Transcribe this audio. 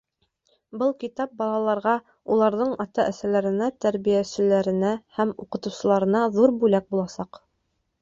Был китап балаларға, уларҙың ата-әсәләренә, тәрбиәселәренә һәм уҡытыусыларына ҙур бүләк буласаҡ.